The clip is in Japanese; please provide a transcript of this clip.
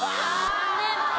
残念。